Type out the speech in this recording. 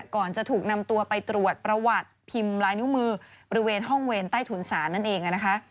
ก่อนจะถูกนำตัวไปตรวจประวัติพิมพ์ลายนิ้วมือบริเวณห้องเวรใต้ถุนศาลนั่นเองนะคะ